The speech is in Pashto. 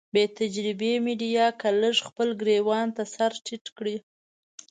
بې تجربې ميډيا که لږ خپل ګرېوان ته سر ټيټ کړي.